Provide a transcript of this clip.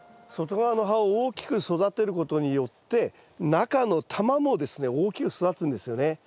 外側の葉を大きく育てることによって中の玉もですね大きく育つんですよね。